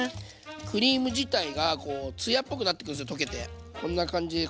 クリーム自体がこうつやっぽくなってくるんですよ溶けて。